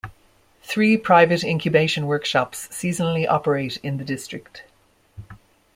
Three private incubation workshops seasonally operate in the district.